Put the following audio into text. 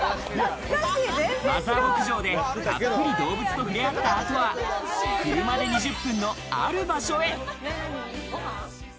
マザー牧場でたっぷりと動物と触れ合った後は、車で２０分のある場所へ。